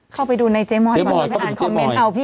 เข้าไปดูในเจมอยด์อ่านคอมเมนต์เขาพี่